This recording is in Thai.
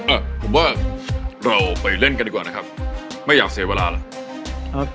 อ่ะผมว่าเราไปเล่นกันดีกว่านะครับไม่อยากเสียเวลาแล้ว